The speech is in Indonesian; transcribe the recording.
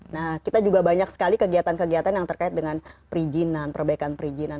nah kita juga banyak sekali kegiatan kegiatan yang terkait dengan perizinan perbaikan perizinan